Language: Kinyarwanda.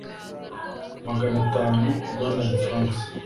magana atanu rwandan francs